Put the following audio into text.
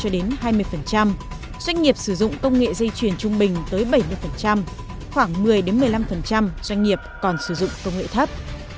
doanh nghiệp sử dụng công nghệ dây chuyển trung bình tới bảy mươi khoảng một mươi một mươi năm doanh nghiệp còn sử dụng công nghệ thấp